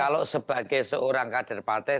kalau sebagai seorang kader partai